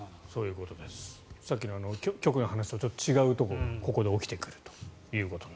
さっきの極の話と違うところがここで起きてくると。